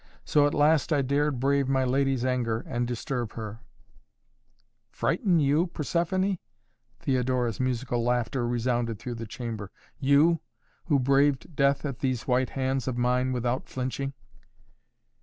So at last I dared brave my lady's anger and disturb her " "Frighten you, Persephoné?" Theodora's musical laughter resounded through the chamber. "You who braved death at these white hands of mine without flinching?"